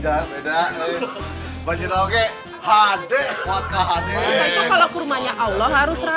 alis iwan adal ilhamul ibadululadzim